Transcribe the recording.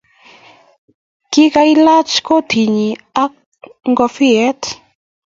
Kigailach kotinyi ago ngoviet--